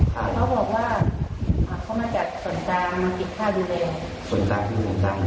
เขาบอกว่าเขามาจัดส่วนกลางมันติดค่าดูเรค่ะส่วนกลาง